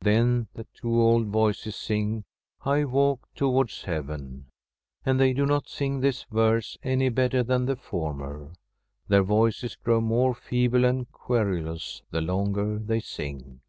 Then the two old voices sing :' I walk towards heaven.' And they do not sing this verse any better than the former; their voices grow more feeble and querulous the longer they sing.